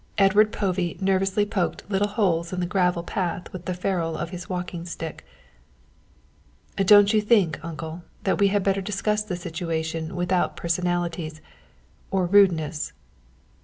Edward Povey nervously poked little holes in the gravel path with the ferrule of his walking stick. "Don't you think, uncle, that we had better discuss the situation without personalities or rudeness?"